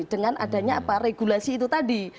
dengan adanya apa regulasi itu tadi